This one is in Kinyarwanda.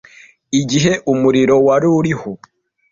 Igihe umuriro wari uriho